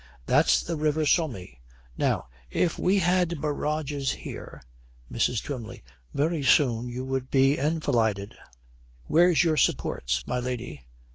'That's the river Sommy. Now, if we had barrages here ' MRS. TWYMLEY. 'Very soon you would be enfilided. Where's your supports, my lady?'